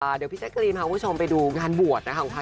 เอ่อเดี๋ยวพี่จั๊กรีนพาผู้ชมเป็นดูงามวดนะของค่ะ